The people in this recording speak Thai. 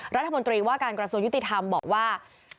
รัฐมนตรีว่าการกระทรวงยุติธรรมบอกว่า